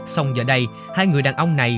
xong giờ đây hai người đàn ông này